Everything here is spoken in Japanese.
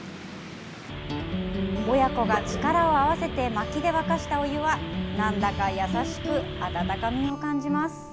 親子が力を合わせてまきで沸かしたお湯はなんだか優しく温かみを感じます。